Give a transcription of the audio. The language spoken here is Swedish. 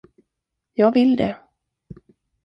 Jag vill det.